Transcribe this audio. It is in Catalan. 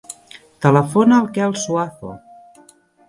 Telefona al Quel Suazo.